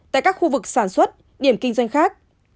tại các khu vực sản xuất điểm kinh doanh khác